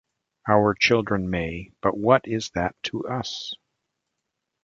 Our children may, but what is that to us?